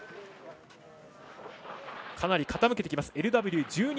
かなり傾けてきます。